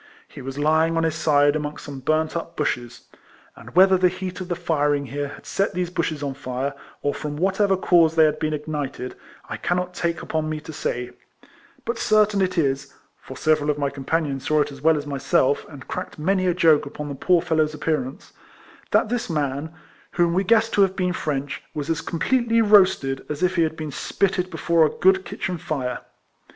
He was lying on his side amongst some burnt up bushes; and whether the heat of the firing here had set these bushes on fire, or from whatever cause they had been ignited, I cannot take upon me to say; but certain it is (for several of my companions saw it as well as myself, and cracked many a joke upon the poor fellow's appearance,) that this man, whom we guessed to have been French, was as completely roasted as if he had been spitted before a good kitchen fire.